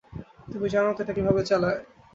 তুমি জানো তো এটা কিভাবে চালায়?